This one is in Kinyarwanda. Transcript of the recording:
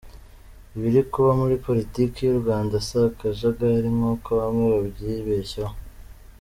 Ibiri kuba muri politiki y’u Rwanda si akajagari nk’uko bamwe babyibeshyaho !